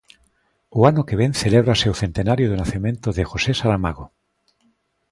O ano que vén celébrase o centenario do nacemento de José Saramago.